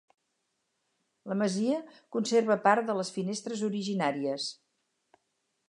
La masia conserva part de les finestres originàries.